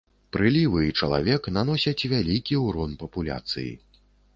Прылівы і чалавек наносяць вялікі ўрон папуляцыі.